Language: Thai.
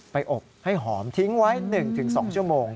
อบให้หอมทิ้งไว้๑๒ชั่วโมง